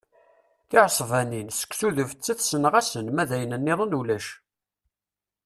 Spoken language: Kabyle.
Tiɛesbanin, seksu d ufettet ssneɣ-asen, ma d ayen nniḍen ulac.